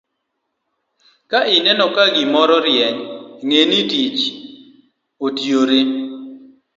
Ka ineno ka gimoro rieny, ng'e ni tich otire.